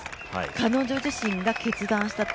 彼女自身が決断したと。